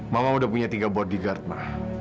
mama udah punya tiga bodyguard ma